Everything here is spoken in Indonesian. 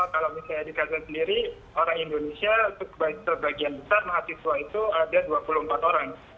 kalau misalnya di thailand sendiri orang indonesia sebagian besar mahasiswa itu ada dua puluh empat orang